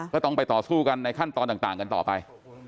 ก็ต้องไปต่อสู้กันในขั้นตอนต่างกันต่อไป